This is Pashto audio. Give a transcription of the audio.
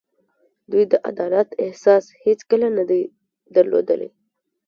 دوی د عدالت احساس هېڅکله نه دی درلودلی.